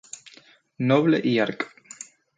Noble y arq.